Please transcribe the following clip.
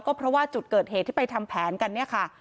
ก็เพราะว่าจุดเกิดเหตุที่ไปทำแผนกันเนี่ยค่ะ